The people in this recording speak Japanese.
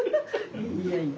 いやいや。